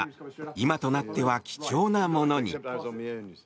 今となっては貴重なものに。